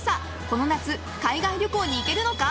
この夏、海外旅行に行けるのか？